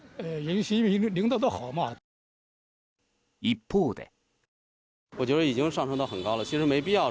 一方で。